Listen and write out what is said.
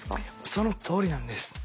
そのとおりなんです。